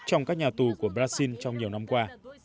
trong các nhà tù của brazil trong nhiều năm qua